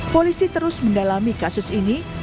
polisi terus mendalami kasus ini